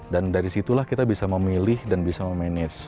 dan dari situlah kita bisa memilih dan bisa memanage